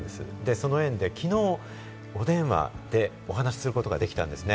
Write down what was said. その縁で昨日、お電話でお話することができたんですね。